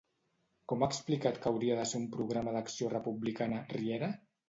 Com ha explicat que hauria de ser un programa d'acció republicana, Riera?